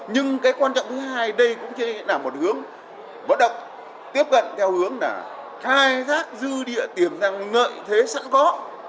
nhưng cái quan trọng thứ hai đây cũng chỉ là một hướng vận động tiếp cận theo hướng là khai thác dư địa tiềm năng lợi thế sẵn có